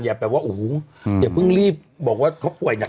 แบบว่าโอ้โหอย่าเพิ่งรีบบอกว่าเขาป่วยหนัก